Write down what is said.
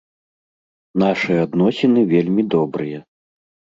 Нашы адносіны вельмі добрыя.